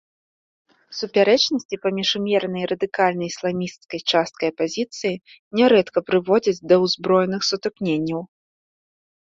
Супярэчнасці паміж умеранай і радыкальнай ісламісцкай часткай апазіцыі нярэдка прыводзяць да ўзброеных сутыкненняў.